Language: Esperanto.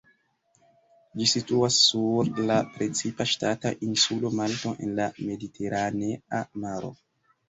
Ĝi situas sur la la precipa ŝtata insulo Malto en la Mediteranea Maro.